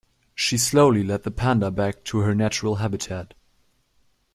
She slowly led the panda back to her natural habitat.